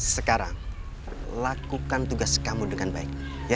sekarang lakukan tugas kamu dengan baik